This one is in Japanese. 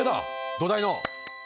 土台の！